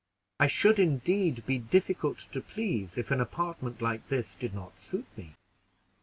I should indeed be difficult to please if an apartment like this did not suit me.